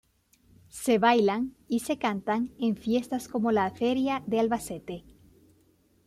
Se bailan y se cantan en fiestas como la Feria de Albacete.